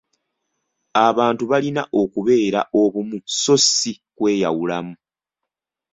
Abantu balina okubeera obumu so ssi kweyawulamu.